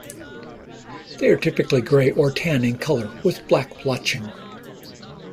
They are typically grey or tan in color, with black blotching.